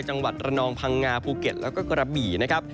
จังหวัดระนองพังงาภูเก็ตแล้วก็กระบี่นะครับ